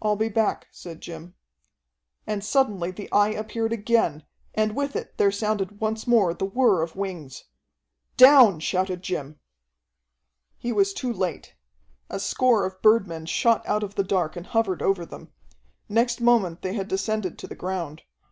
"I'll be back," said Jim. And suddenly the Eye appeared again, and with it there sounded once more the whir of wings. "Down!" shouted Jim. He was too late. A score of birdmen shot out of the dark and hovered over them. Next moment they had descended to the ground.